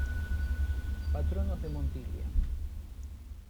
Patronos de Montilla